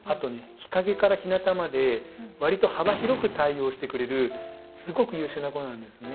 日陰から日なたまでわりと幅広く対応してくれるすごく優秀な子なんですね。